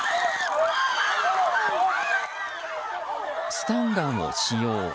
スタンガンを使用。